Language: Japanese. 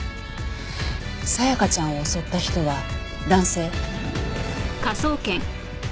沙也加ちゃんを襲った人は男性？